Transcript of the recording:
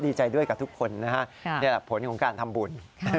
ดีใจด้วยกับทุกคนนะฮะนี่แหละผลของการทำบุญ